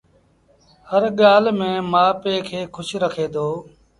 هر ڳآل ميݩ مآ پي کي کُش رکي دو